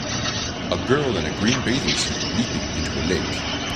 A girl in a green bathing suit leaping into a lake.